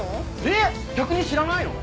えっ逆に知らないの！？